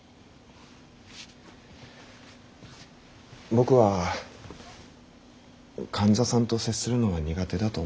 僕は患者さんと接するのは苦手だと思ってきました。